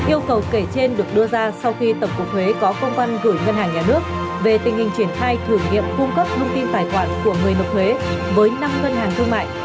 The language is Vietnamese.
yêu cầu kể trên được đưa ra sau khi tổng cục thuế có công văn gửi ngân hàng nhà nước về tình hình triển khai thử nghiệm cung cấp thông tin tài khoản của người nộp thuế với năm ngân hàng thương mại